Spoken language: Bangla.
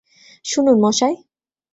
শুনুন, মশাই।